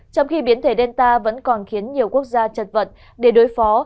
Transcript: trong khi biến thể delta vẫn còn khiến nhiều quốc gia chật vật để đối phó